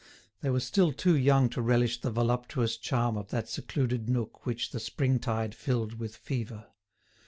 They were still too young to relish the voluptuous charm of that secluded nook which the springtide filled with fever.